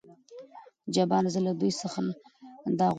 جبار : زه له دوي څخه دا غواړم.